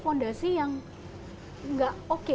ada sih yang gak oke